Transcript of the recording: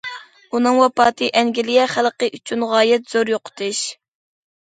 ئۇنىڭ ۋاپاتى ئەنگلىيە خەلقى ئۈچۈن غايەت زور يوقىتىش.